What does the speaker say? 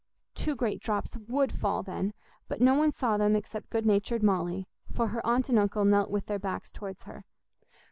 Two great drops would fall then, but no one saw them except good natured Molly, for her aunt and uncle knelt with their backs towards her.